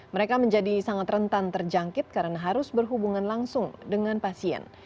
mereka menjadi sangat rentan terjangkit karena harus berhubungan langsung dengan pasien